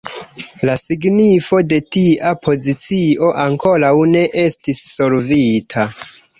La signifo de tia pozicio ankoraŭ ne estis solvita.